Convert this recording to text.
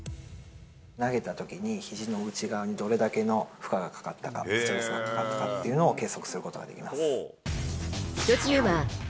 投げたときに、ひじの内側にどれだけの負荷がかかったか、ストレスがかかったかっていうのを、計測することができます。